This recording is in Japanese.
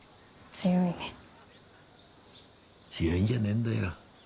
強いんじゃねえんだよ。